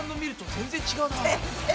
全然違う！